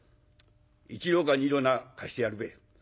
１両か２両なら貸してやるべえ。